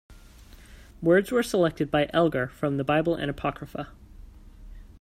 Words were selected by Elgar from the Bible and Apocrypha.